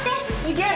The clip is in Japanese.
いけ！